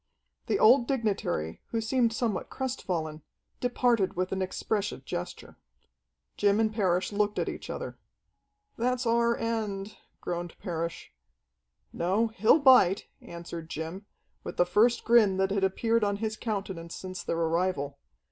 The old dignitary, who seemed somewhat crestfallen, departed with an expressive gesture. Jim and Parrish looked at each other. "That's our end," groaned Parrish. "No, he'll bite," answered Jim, with the first grin that had appeared on his countenance since their arrival.